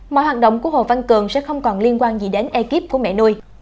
mọi hoạt động của hồ văn cường sẽ không còn liên quan gì đến ekip của mẹ nuôi